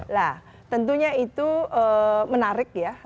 nah tentunya itu menarik ya